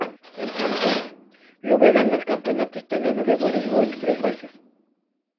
En tanto, Lube ganó el campeonato italiano de vóleibol tres veces.